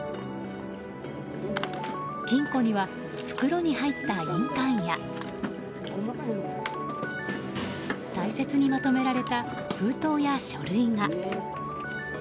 金庫には、袋に入った印鑑や大切にまとめられた封筒や書類が。